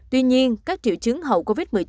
tuy nhiên các triệu chứng hậu covid một mươi chín